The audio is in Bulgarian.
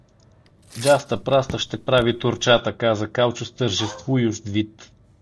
Джаста-праста ще прави турчата — каза Калчо с тържествующ вид.